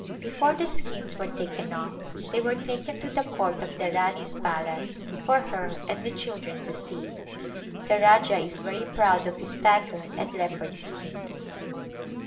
Before the skins were taken off they were taken to the court of the Rani's palace for her and the children to see. The Rajah is very proud of his tiger and leopard skins.